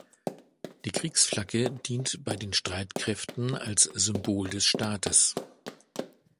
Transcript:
Die Kriegsflagge dient bei den Streitkräften als Symbol des Staates.